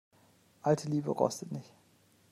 Alte Liebe rostet nicht.